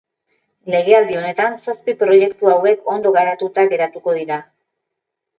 Legealdi honetan zazpi proiektu hauek ondo garatuta geratuko dira.